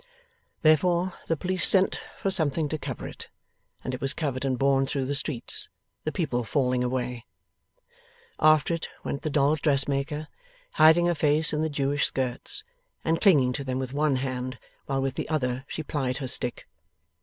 Therefore, the police sent for something to cover it, and it was covered and borne through the streets, the people falling away. After it, went the dolls' dressmaker, hiding her face in the Jewish skirts, and clinging to them with one hand, while with the other she plied her stick.